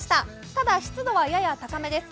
ただ湿度は、やや高めです。